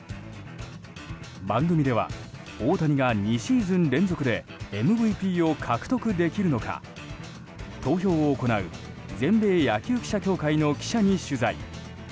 番組では大谷が２シーズン連続でＭＶＰを獲得できるのか投票を行う全米野球記者協会の記者に取材。